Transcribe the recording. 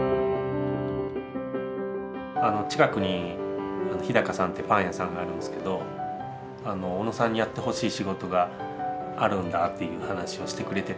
近くにＨＩＤＡＫＡさんってパン屋さんがあるんですけど小野さんにやってほしい仕事があるんだっていう話をしてくれてて。